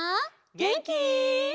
げんき？